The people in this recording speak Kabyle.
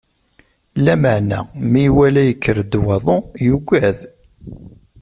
Lameɛna, mi iwala yekker-d waḍu, yugad.